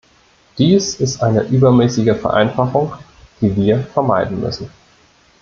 Dies ist eine übermäßige Vereinfachung, die wir vermeiden müssen.